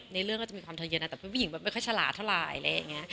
ในเรื่องก็จะมีความเท้าเยอะนะแต่ว่าผู้หญิงแบบไม่ค่อยฉลาดเท่าไหร่